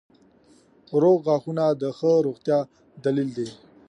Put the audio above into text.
• روغ غاښونه د ښه روغتیا دلیل دی.